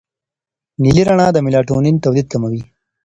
نیلي رڼا د میلاټونین تولید کموي.